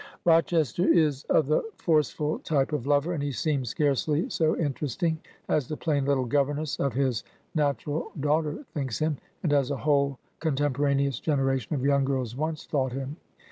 Rochester is of the forceful type of lover, and he seems scarcely so interesting as the plain little governess of his natural daughter thinks him, and as a whole con temporaneous generation of young girls once thought him.